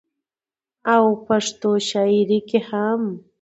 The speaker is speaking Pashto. او پښتو شاعرۍ کې هم